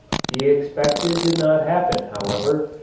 The expected did not happen, however.